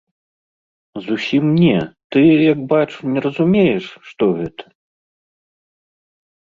Зусім не, ты, як бачу, не разумееш, што гэта.